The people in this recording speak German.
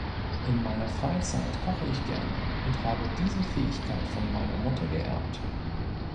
In meiner Freizeit koche ich gerne und habe diese Fähigkeit von meiner Mutter geerbt.